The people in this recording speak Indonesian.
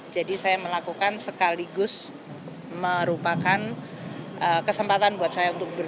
jadi saya melakukan sekaligus merupakan kesempatan buat saya untuk ber